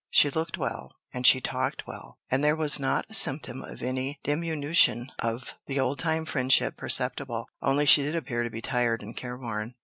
She looked well, and she talked well, and there was not a symptom of any diminution of the old time friendship perceptible only she did appear to be tired and care worn.